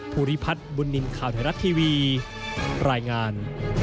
ภูริพัฒน์บุญนินทร์ข่าวไทยรัฐทีวีรายงาน